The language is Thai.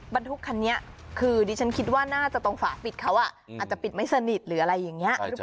บรรทุกคันนี้คือดิฉันคิดว่าน่าจะตรงฝาปิดเขาอาจจะปิดไม่สนิทหรืออะไรอย่างนี้หรือเปล่า